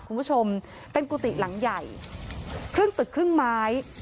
คุณผู้ชมเป็นกุฏิหลังใหญ่ครึ่งตึกครึ่งไม้